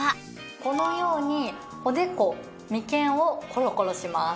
このようにおでこ眉間をコロコロします。